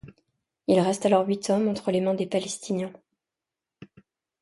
Il reste alors huit hommes entre les mains des palestiniens.